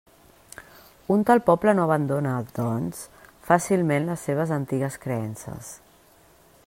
Un tal poble no abandona, doncs, fàcilment les seves antigues creences.